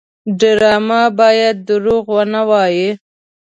ډرامه باید دروغ ونه وایي